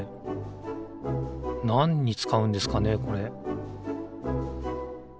なんにつかうんですかねこれ？